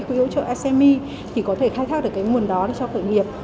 quỹ hỗ trợ sme thì có thể khai thác được nguồn đó cho khởi nghiệp